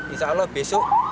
insya allah besoknya